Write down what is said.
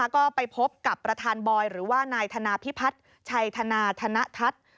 ก็ไปพบกับประธานบอยหรือว่านายธนาพิพัฒน์ชัยธนาธนทัศน์